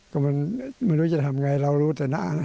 ก็มันไม่รู้จะทำไงเรารู้แต่หน้านะ